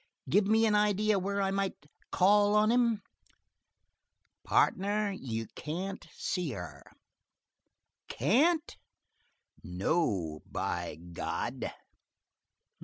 Give me an idea where I might call on him?" "Partner, you can't see her." "Can't?" "No, by God!"